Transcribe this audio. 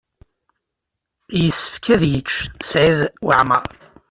Yessefk ad yečč Saɛid Waɛmaṛ.